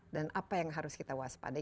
dan apa yang harus kita waspadai